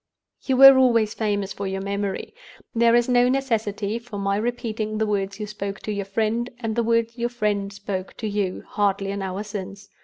"You were always famous for your memory. There is no necessity for my repeating the words you spoke to your friend, and the words your friend spoke to you, hardly an hour since.